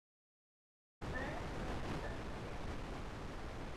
Me nebizdandiye.